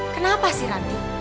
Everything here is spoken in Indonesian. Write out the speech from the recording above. kenapa sih ranti